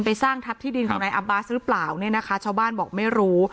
ไปสร้างทัพที่ดินของในอับบาสหรือเปล่าชาวบ้านบอกไม่รู้